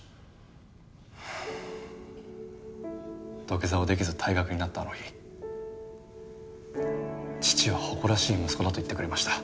土下座をできず退学になったのに父は誇らしい息子だと言ってくれました。